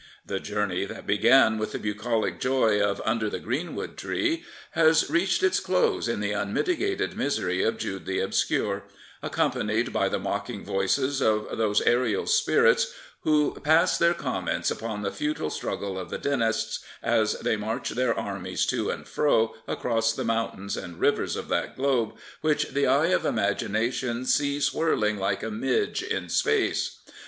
The journey that began with the bucolic joy of Under the Greenwood Tree has reached its close in the unmitigated misery of Jude the Obscure, accompanied by the mocking voices of those aerial spirits who pass their comments upon the futile struggle of the " Dynasts," as they march their armies to and fro across the mountains and rivers of that globe which the eye of imagination sees whirling like a midge in space.